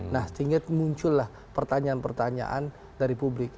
nah tingkat muncul lah pertanyaan pertanyaan dari publik